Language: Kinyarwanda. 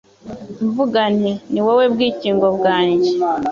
mvuga nti «Ni wowe bwikingo bwanjye